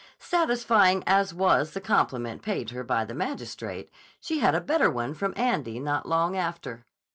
Satisfying as was the compliment paid her by the magistrate, she had a better one from Andy not long after.